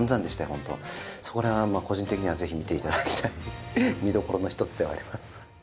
ホントそこら辺は個人的にはぜひ見ていただきたい見どころの一つではあります